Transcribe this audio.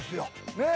ねえ。